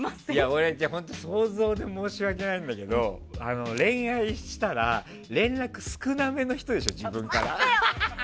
俺、想像で申し訳ないんだけど恋愛したら連絡少なめの人でしょ、自分から。